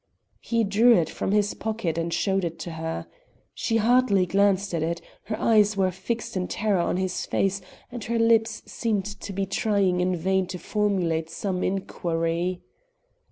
He drew it from his pocket and showed it to her. She hardly glanced at it; her eyes were fixed in terror on his face and her lips seemed to be trying in vain to formulate some inquiry.